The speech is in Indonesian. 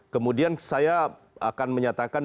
kemudian saya akan menyatakan